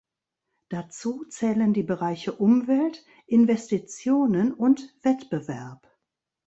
Dazu zählen die Bereiche Umwelt, Investitionen und Wettbewerb.